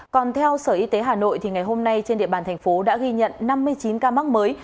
còn theo sở y tế hà nội ngày hôm nay trên địa bàn thành phố đã ghi nhận năm mươi chín ca mắc mới